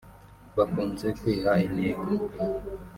bakunze kwiha intego